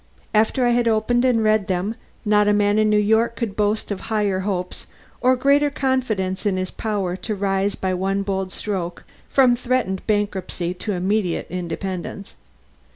After I had opened and read them, not a man in New York could boast of higher hopes or greater confidence in his power to rise by one bold stroke from threatened bankruptcy to immediate independence.